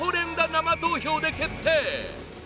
生投票で決定